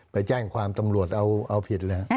ไปแจ้งความตำรวจเอาผิดเลย